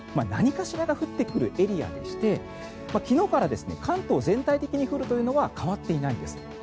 何かしらが降ってくるエリアでして昨日から関東全体的に降るというのは変わっていないんです。